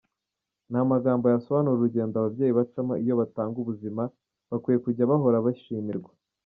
Nta magambo yasobanura urugendo ababyeyi bacamo iyo batanga ubuzima, bakwiye kujya bahora bashimirwa.